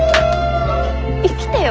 生きてよ